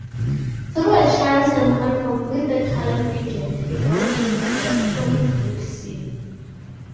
Through a chance encounter with a talent agent, he broke into the Hollywood scene.